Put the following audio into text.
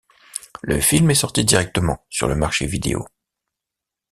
Le film est sorti directement sur le marché vidéo.